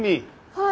はい。